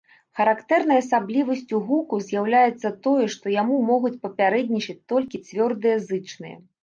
Характэрнай асаблівасцю гуку з'яўляецца тое, што яму могуць папярэднічаць толькі цвёрдыя зычныя.